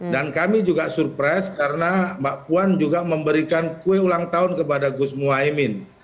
dan kami juga surprise karena mbak puan juga memberikan kue ulang tahun kepada gus muwaimin